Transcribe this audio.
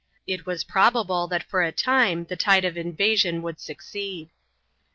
It was probable that for a time the tide of invasion would succeed.